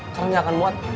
sekarang gak akan muat